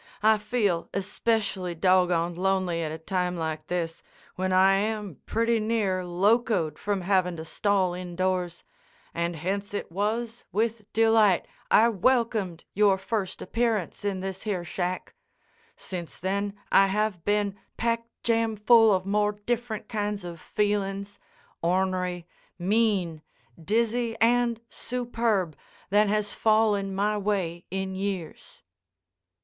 I feel especially doggoned lonely at a time like this, when I am pretty near locoed from havin' to stall indoors, and hence it was with delight I welcomed your first appearance in this here shack. Since then I have been packed jam full of more different kinds of feelings, ornery, mean, dizzy, and superb, than has fallen my way in years."